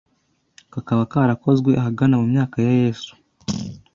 kakaba karakozwe ahagana mumyaka ya yesu